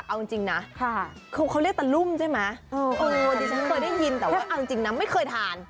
เขาเรียกตะลุ่มใช่ไหมเอาจริงนะไม่เคยทาน